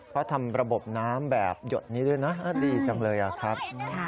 เพราะทำระบบน้ำแบบหยดนี้ด้วยนะดีจังเลยครับ